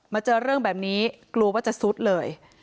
เจอเรื่องแบบนี้กลัวว่าจะซุดเลย